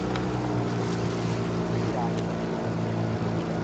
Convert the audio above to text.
Ibirá